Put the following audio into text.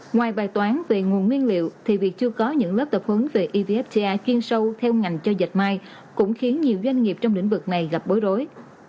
ngoài bài toán về nguồn nguyên liệu thì việc chưa có những lớp tập huấn về evfta chuyên sâu theo ngành chơi dạch mai cũng khiến nhiều doanh nghiệp trong lĩnh vực này gặp bối rối